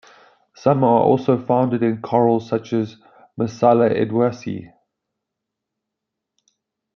Some are also found in corals such as Maasella edwardsi.